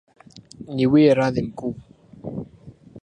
Niwie radhi mkuu.